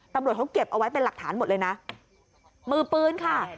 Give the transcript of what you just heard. ตำรวจเขาเก็บเอาไว้เป็นหลักฐานหมดเลยนะมือปืนค่ะ